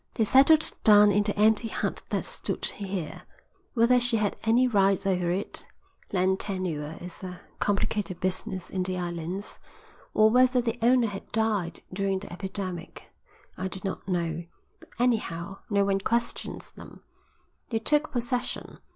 They settled down in the empty hut that stood here. Whether she had any rights over it (land tenure is a complicated business in the islands), or whether the owner had died during the epidemic, I do not know, but anyhow no one questioned them, and they took possession.